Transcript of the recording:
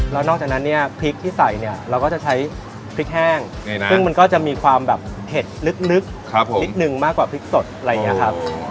แล้วนอกจากนั้นเนี่ยพริกที่ใส่เนี่ยเราก็จะใช้พริกแห้งซึ่งมันก็จะมีความแบบเผ็ดลึกพริกหนึ่งมากกว่าพริกสดอะไรอย่างนี้ครับ